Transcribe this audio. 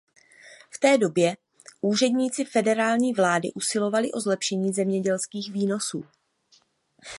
V té době úředníci federální vlády usilovali o zlepšení zemědělských výnosů.